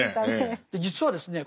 実はですね